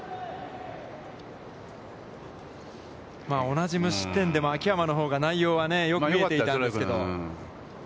同じ無失点でも秋山のほうが内容がよかったんですけど。